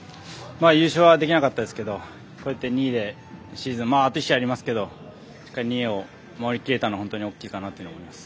優勝はできなかったですけどこうやって２位でシーズンをあと１試合ありますが２位を守りきれたのは大きいかなと思います。